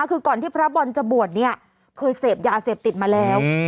คือก่อนที่พระบอลจะบวชเนี่ยเคยเสพยาเสพติดมาแล้ว